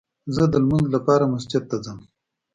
زه دلمونځ لپاره مسجد ته ځم